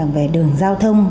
về đường giao thông